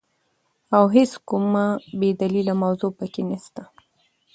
او هيڅ کومه بي دليله موضوع په کي نسته،